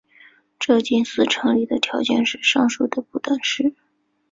这近似成立的条件是上述不等式。